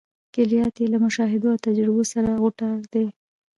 کلیات یې له مشاهدو او تجربو سره غوټه دي.